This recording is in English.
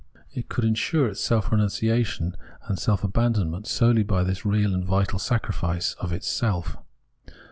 It could ensure its self renunciation and self aban donment solely by this real and vital sacrifice [of its self].